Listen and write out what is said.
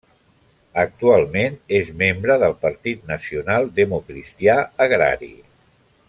Actualment és membre del Partit Nacional Democristià Agrari.